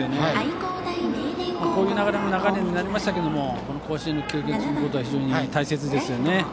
こういう流れになりましたけども甲子園の経験を積むことは非常に大切ですね。